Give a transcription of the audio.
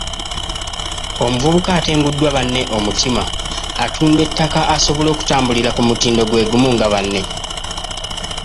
Omuvubuka atenguddwa banne omutima, atunda ettaka asobole okutambulira ku mutindo gwe gumu nga banne.